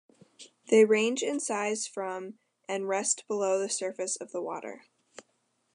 They range in size from and rest below the surface of the water.